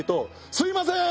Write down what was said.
すいません！